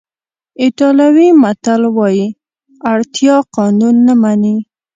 ایټالوي متل وایي اړتیا قانون نه مني.